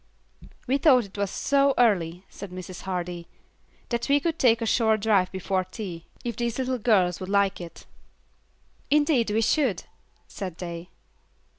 "We thought it was so early," said Mrs. Hardy, "that we could take a short drive before tea, if these little girls would like it." "Indeed we should," said they.